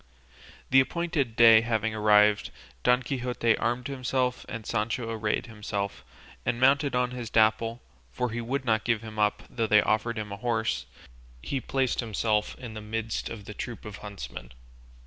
The appointed day having arrived, Don Quixote armed himself, and Sancho arrayed himself, and mounted on his Dapple (for he would not give him up though they offered him a horse), he placed himself in the midst of the troop of huntsmen.